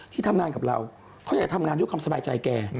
ที่ทำงานกับเราเขาอยากทำงานด้วยความสบายใจแก